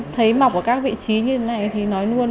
tại khoa nhi bệnh viện đa khoa sehpon